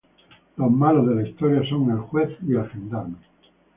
Los malos de la historia son el juez y el gendarme.